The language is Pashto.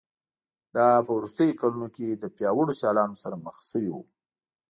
دا په وروستیو کلونو کې له پیاوړو سیالانو سره مخ شوی و